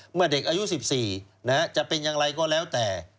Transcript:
เมื่อเด็กอายุ๑๔จะเป็นอย่างไรก็แล้วแต่